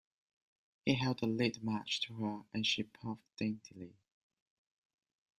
He held a lit match to her, and she puffed daintily.